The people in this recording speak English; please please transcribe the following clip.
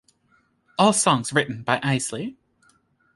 All songs written by Eisley.